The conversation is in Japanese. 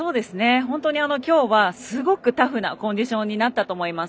本当に今日はすごくタフなコンディションになったと思います。